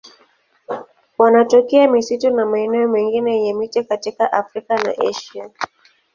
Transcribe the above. Wanatokea misitu na maeneo mengine yenye miti katika Afrika na Asia.